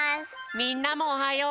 みんなもおはよう！